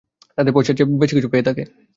তাতে পয়সার চেয়ে কিছু বেশি পেয়ে থাকে।